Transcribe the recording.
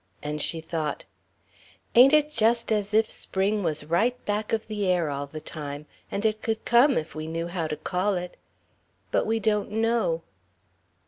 And she thought: "Ain't it just as if Spring was right over back of the air all the time and it could come if we knew how to call it? But we don't know."